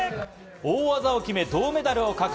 大技を決め、銅メダルを獲得！